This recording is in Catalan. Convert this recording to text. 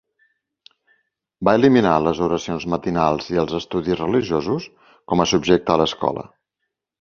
Va eliminar les oracions matinals i els estudis religiosos com a subjecte a l'escola.